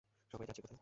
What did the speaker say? সবাই যাচ্ছে কোথায়?